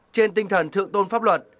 trên tinh thần thượng tôn pháp luật